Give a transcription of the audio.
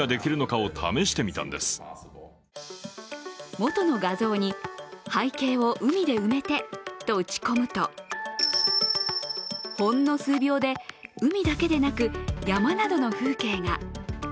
元の画像に背景を海で埋めて、と打ち込むとほんの数秒で海だけでなく山などの風景が。